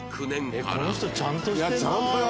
「この人ちゃんとしてんな」